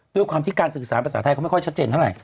ด้วยความที่การสื่อสารภาษาไทยเขาไม่ค่อยชัดเจนเท่าไหร